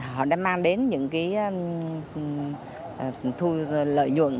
họ đã mang đến những lợi dụng